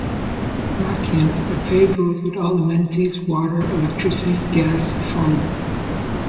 'Machian a paved road with all amenities, water, electricity, gas, phone.